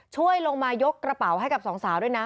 ช่วยลงมายกกระเป๋าให้กับสองสาวด้วยนะ